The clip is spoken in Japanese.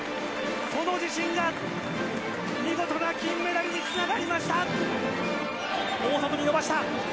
その自信が見事な金メダルにつながりました！